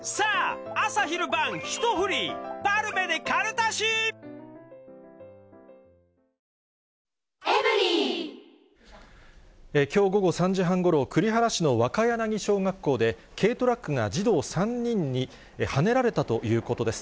新しくなったきょう午後３時半ごろ、栗原市のわかやなぎ小学校で、軽トラックが児童３人にはねられたということです。